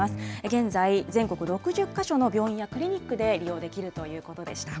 現在、全国６０か所の病院やクリニックで利用できるということでした。